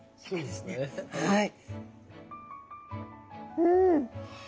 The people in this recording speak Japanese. うん。